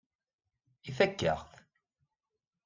Ifakk-aɣ-t.